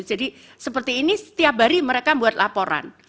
jadi seperti ini setiap hari mereka buat laporan